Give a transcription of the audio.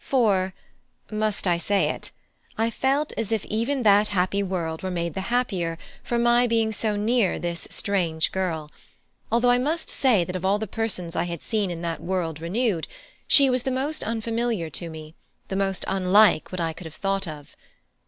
For must I say it? I felt as if even that happy world were made the happier for my being so near this strange girl; although I must say that of all the persons I had seen in that world renewed, she was the most unfamiliar to me, the most unlike what I could have thought of.